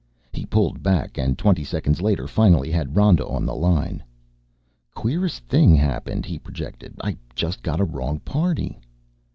He pulled back and twenty seconds later finally had Rhoda on the line. "Queerest thing happened," he projected. "I just got a wrong party."